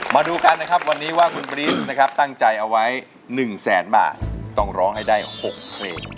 มาดูกันนะครับวันนี้ว่าคุณบรีสนะครับตั้งใจเอาไว้๑แสนบาทต้องร้องให้ได้๖เพลง